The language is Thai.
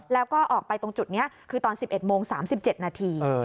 แล้วก็ออกไปตรงจุดนี้คือตอน๑๑โมง๓๗นาที